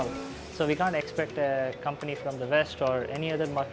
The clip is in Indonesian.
jadi kita tidak bisa menghargai perusahaan dari west atau dari pasar lain